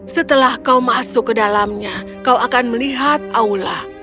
setelah kau masuk ke dalamnya kau akan melihat aula